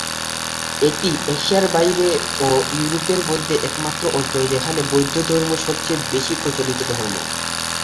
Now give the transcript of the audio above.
এটি এশিয়ার বাইরে ও ইউরোপের মধ্যে একমাত্র অঞ্চল যেখানে বৌদ্ধধর্ম সবচেয়ে বেশি প্রচলিত ধর্ম।